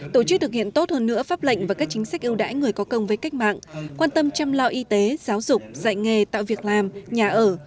tổ chức thực hiện tốt hơn nữa pháp lệnh và các chính sách ưu đãi người có công với cách mạng quan tâm chăm lo y tế giáo dục dạy nghề tạo việc làm nhà ở